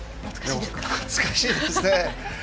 懐かしいですね。